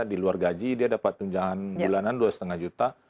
di luar gaji dia dapat tunjangan bulanan dua lima juta